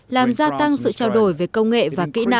làm gia tăng sự trao đổi về công nghệ và kỹ năng